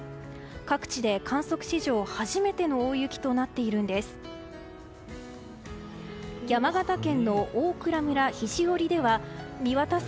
各地で観測史上初めての大雪となっているんです。